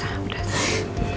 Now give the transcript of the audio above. saatnya aku mau berhenti